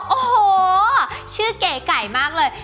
โอ้โหชื่อเก๋ไก่มากเลย